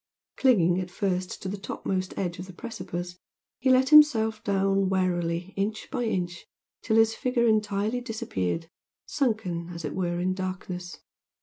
Clinging at first to the topmost edge of the precipice, he let himself down warily inch by inch till his figure entirely disappeared, sunken, as it were in darkness.